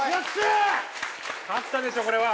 勝ったでしょこれは。